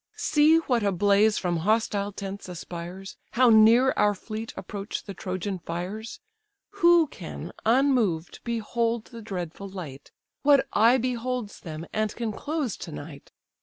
See what a blaze from hostile tents aspires, How near our fleet approach the Trojan fires! Who can, unmoved, behold the dreadful light? What eye beholds them, and can close to night?